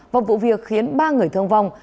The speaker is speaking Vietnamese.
và vụ việc khiến ba người thương vong